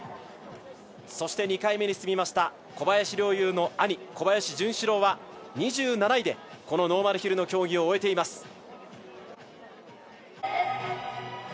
そして２回目に進みました小林陵侑の兄小林潤志郎は２７位でノーマルヒルの競技を終えています。